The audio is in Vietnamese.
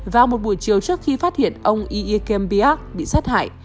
vào một buổi chiều trước khi phát hiện ông i e kembiak bị sát hại